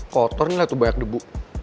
kotor nih lah tuh banyak debu